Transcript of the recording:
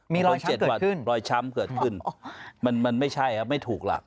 มีรอยช้ำเกิดขึ้นรอยช้ำเกิดขึ้นมันไม่ใช่ครับไม่ถูกหรอก